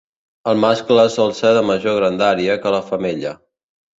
El mascle sol ser de major grandària que la femella.